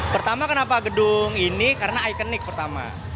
pertama kenapa gedung ini karena ikonik pertama